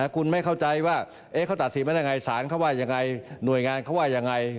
คุณไม่เข้าใจว่าเขาตัดสินมายังไงศาลเขาว่ายังไงหน่วยงานเขาว่ายังไง